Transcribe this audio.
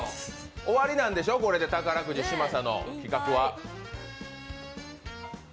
終わりなんでしょ、これで、宝くじ、嶋佐の企画は。